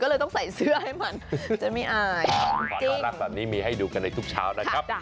ขออนุญาตแบบนี้มีให้ดูกันในทุกเช้านะครับค่ะจ้ะ